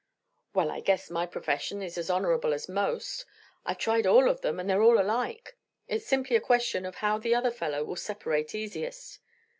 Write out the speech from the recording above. "Well, I guess my profession is as honorable as most. I've tried all of them, and they're all alike. It's simply a question of how the other fellow will separate easiest."